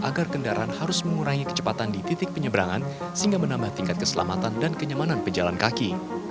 agar kendaraan harus mengurangi kecepatan di titik penyeberangan sehingga menambah tingkat keselamatan dan kenyamanan pejalan kaki